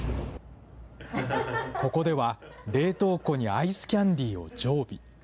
ここでは、冷凍庫にアイスキャンディーを常備。